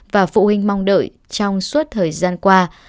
và phụ huynh mong đợi trong suốt thời gian qua